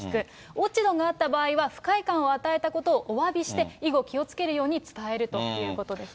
落ち度があった場合は、不快感を与えたことをおわびして、以後気をつけるように伝えるということですね。